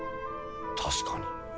確かに。